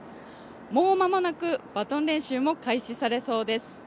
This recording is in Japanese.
もう間もなくバトン練習も開始されそうです。